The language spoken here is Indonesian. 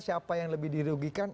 siapa yang lebih dirugikan